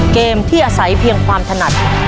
เกมที่อาศัยเพียงความถนัดความสุข